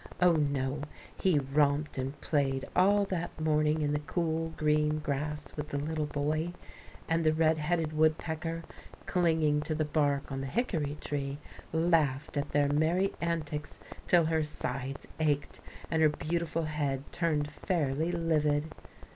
Oh, no; he romped and played all that morning in the cool, green grass with the little boy; and the red headed woodpecker, clinging to the bark on the hickory tree, laughed at their merry antics till her sides ached and her beautiful head turned fairly livid.